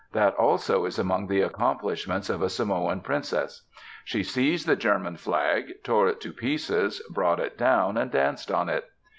That also is among the accomplishments of a Samoan princess. She seized the German flag, tore it to pieces, brought it down, and danced on it.